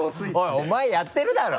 おいお前やってるだろ。